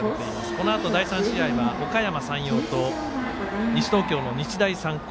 このあと第３試合はおかやま山陽と西東京の日大三高。